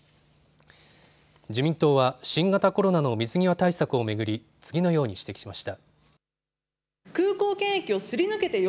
自民党は新型コロナの水際対策を巡り、次のように指摘しました。